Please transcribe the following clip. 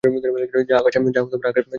যা আকাশে নেচে বেড়ায়।